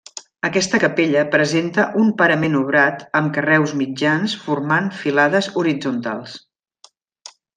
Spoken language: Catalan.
Aquesta capella presenta un parament obrat amb carreus mitjans, formant filades horitzontals.